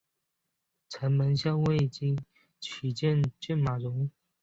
城门校尉岑起举荐马融。